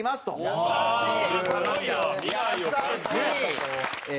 優しい！